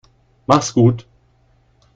Mach's gut.